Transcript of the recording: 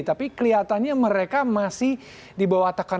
tapi kelihatannya mereka masih di bawah tekanan